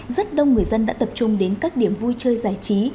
rất đông người dân đã tập trung đến các điểm vui chơi giải trí